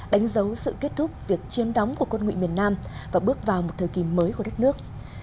đánh dấu sự kết thúc việc chiếm đóng của quân nguyện miền nam và bước vào một thời kỳ mới của đất nước